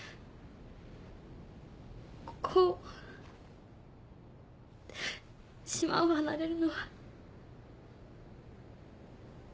ここを島を離れるのは。